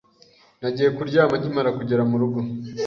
Nagiye kuryama nkimara kugera murugo.